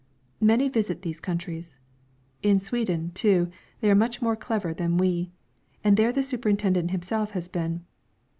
Many visit these countries. In Sweden, too, they are much more clever than we, and there the superintendent himself has been.